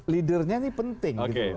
leadernya nih penting gitu